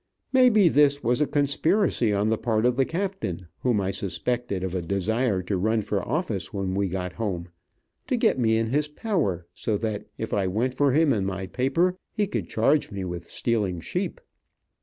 May be this was a conspiracy on the part of the captain, whom I suspected of a desire to run for office when we got home, to get me in his power, so that if I went for him in my paper, he could charge me with stealing sheep.